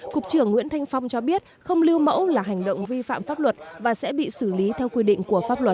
cục trưởng nguyễn thanh phong cho biết không lưu mẫu là hành động vi phạm pháp luật và sẽ bị xử lý theo quy định của pháp luật